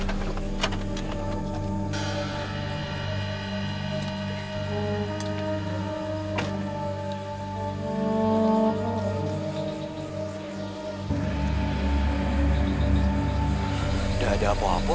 sudah ada apa apa